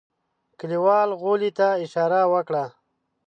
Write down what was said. کليوال غولي ته اشاره وکړه.